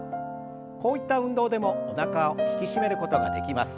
こういった運動でもおなかを引き締めることができます。